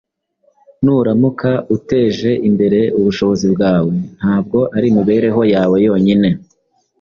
Nuramuka uteje imbere ubushobozi bwawe nta bwo ari imibereho yawe yonyine